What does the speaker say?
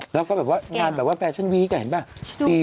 แล้วก็แบบว่างานแบบว่าแฟชั่นวีคเห็นป่ะ